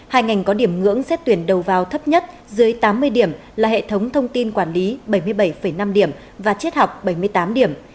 hai ngành có điểm ngưỡng xét tuyển đầu vào thấp nhất dưới tám mươi điểm là hệ thống thông tin quản lý bảy mươi bảy năm điểm và chiết học bảy mươi tám điểm